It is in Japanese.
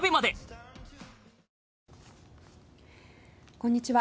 こんにちは。